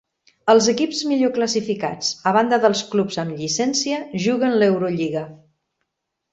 Els equips millor classificats, a banda dels clubs amb llicència, juguen l'Eurolliga.